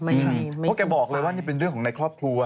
เพราะแกบอกเลยว่านี่เป็นเรื่องของในครอบครัว